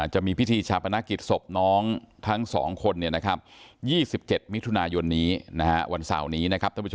จะมีพิธีฉาปนากิจศพน้องทั้งสองคน๒๗มิยวนวันเส้อนี้